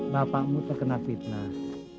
bapakmu terkena fitnah